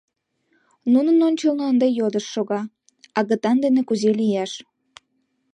Нунын ончылно ынде йодыш шога: агытан дене кузе лияш?